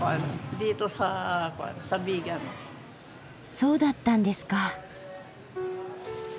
そうだったんですか。